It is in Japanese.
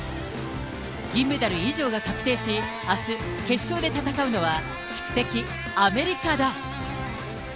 銀メダル以上が確定し、あす、決勝で戦うのは宿敵、アメリカだ。